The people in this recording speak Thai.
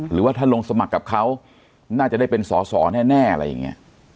หรือว่าถ้าลงสมัครกับเขาน่าจะได้เป็นสอสอแน่อะไรอย่างนี้